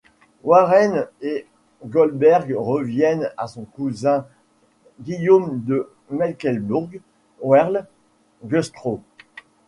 Waren et Goldberg reviennent à son cousin Guillaume de Mecklembourg-Werle-Güstrow.